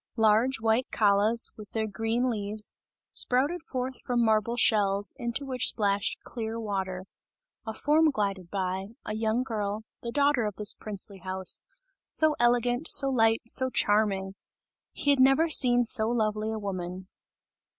Large, white callas, with their green leaves, sprouted forth from marble shells, into which splashed clear water; a form glided by, a young girl, the daughter of this princely house, so elegant, so light, so charming! He had never seen so lovely a woman.